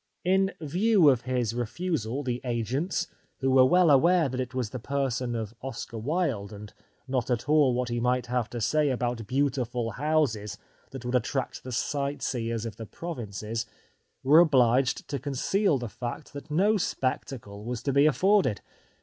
In view of his refusal the agents, who were well aware that it was the person of Oscar Wilde and not at all what he might have to say about beautiful houses that would attract the sight seers of the provinces, were obliged to conceal the fact that no spectacle was to be afforded.